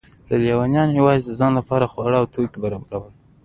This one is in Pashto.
لې لیانو یوازې د ځان لپاره خواړه او توکي برابرول